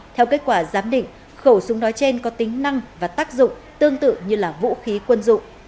theo kết quả giám định khẩu súng đói trên có tính năng và tác dụng tương tự như là vũ khí quân dụng